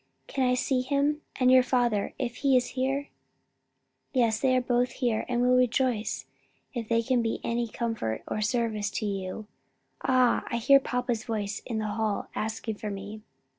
Can I see him? and your father if he is here?" "Yes, they are both here and will rejoice if they can be of any comfort or service to you. Ah, I hear papa's voice in the hall, asking for me!"